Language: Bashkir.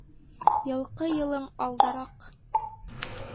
Йылҡы йылың алдараҡ.